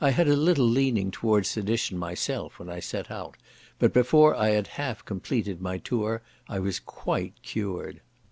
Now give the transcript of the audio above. I had a little leaning towards sedition myself when I set out, but before I had half completed my tour I was quite cured.